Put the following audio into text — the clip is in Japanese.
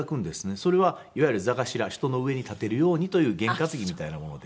それはいわゆる座頭人の上に立てるようにという験担ぎみたいなもので。